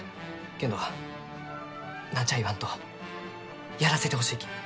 けんど何ちゃあ言わんとやらせてほしいき。